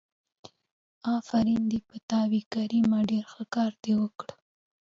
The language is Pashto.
آفرين دې په تا وي کريمه ډېر ښه کار دې وکړ.